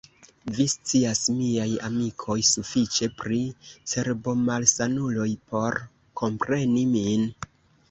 Vi scias, miaj amikoj, sufiĉe pri cerbomalsanuloj, por kompreni min.